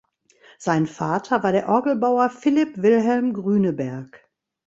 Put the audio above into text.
Sein Vater war der Orgelbauer Philipp Wilhelm Grüneberg.